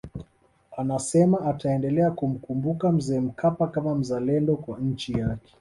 Anasema ataendelea kumkumbuka Mzee Mkapa kama mzalendo kwa nchi yake